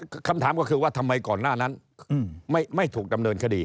คำถามก็คือว่าทำไมก่อนหน้านั้นไม่ถูกดำเนินคดี